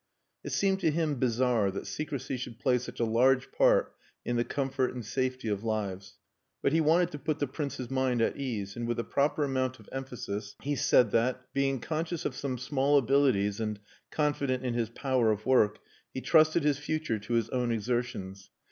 It seemed to him bizarre that secrecy should play such a large part in the comfort and safety of lives. But he wanted to put the Prince's mind at ease; and with a proper amount of emphasis he said that, being conscious of some small abilities and confident in his power of work, he trusted his future to his own exertions.